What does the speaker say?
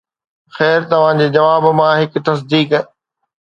خير توهان جي جواب مان هڪ تصديق